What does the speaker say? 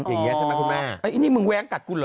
เอ้ยอินี่มึงแว้งกัดกูเหรอ